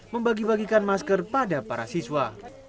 membagi bagikan masker pada para siswa